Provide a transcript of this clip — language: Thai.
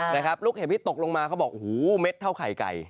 นะครับลูกเห็บที่ตกลงมาเขาบอกโอ้โหเม็ดเท่าไข่ไก่